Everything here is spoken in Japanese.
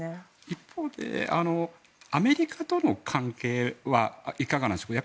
一方、アメリカとの関係はいかがでしょうか。